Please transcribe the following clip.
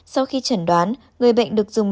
sau khi chẩn đoán người bệnh được dùng